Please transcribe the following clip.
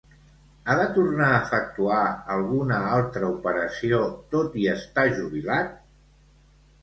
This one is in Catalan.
Ha de tornar a efectuar alguna altra operació tot i estar jubilat?